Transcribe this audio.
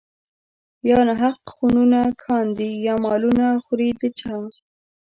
يا ناحق خونونه کاندي يا مالونه خوري د چا